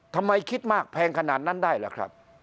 ทำไมคิดมากแพงขนาดนั้นได้ล่ะครับ